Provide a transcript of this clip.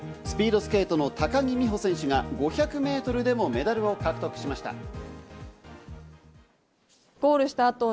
スピードスケートの高木美帆選手が５００メートルでもメダルを獲得しました。